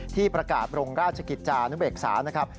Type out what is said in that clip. ที่ประกาศโรงราชกิจจานุเบกษานะครับ